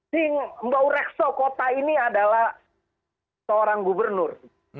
si mba urekso kota ini adalah seorang gubernur